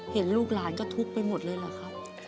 เห็นลูกหลานก็ทุกข์ไปหมดเลยเหรอครับ